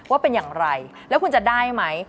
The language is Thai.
ว่าเป็นอย่างไรแล้วคุณจะได้ไหม